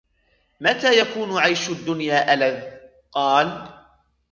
مَتَى يَكُونُ عَيْشُ الدُّنْيَا أَلَذَّ ؟ قَالَ